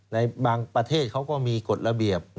ในบางประเทศเขาก็มีกฎระเบียบ